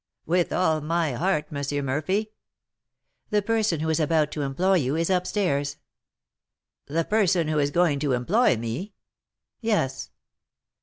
"With all my heart, M. Murphy." "The person who is about to employ you is up stairs." "The person who is going to employ me?" "Yes."